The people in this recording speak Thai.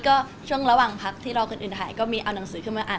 ก็ช่วงระหว่างพักที่รอคนอื่นถ่ายก็มีเอาหนังสือขึ้นมาอ่าน